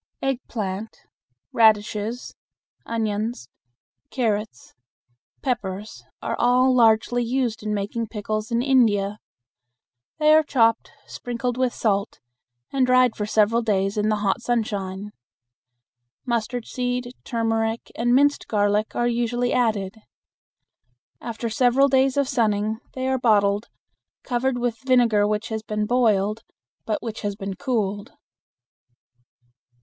Eggplant, radishes, onions, carrots, peppers, all are largely used in making pickles in India. They are chopped, sprinkled with salt, and dried for several days in the hot sunshine. Mustard seed, turmeric, and minced garlic are usually added. After several days of sunning they are bottled, covered with vinegar which has been boiled, but which has been cooled.